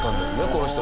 この人。